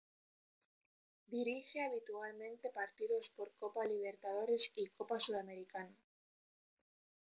Dirige habitualmente partidos por Copa Libertadores y Copa Sudamericana.